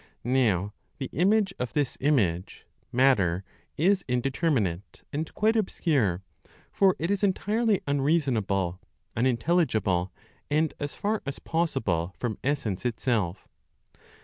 Now the image of this image (matter), is indeterminate, and quite obscure; for it is entirely unreasonable, unintelligible, and as far as possible from essence itself.